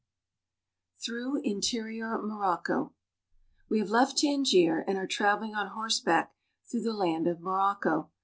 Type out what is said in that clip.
THROUGH INTERIOR MOROCCO WE have left Tangier and are traveling on horseback through the land of Morocco.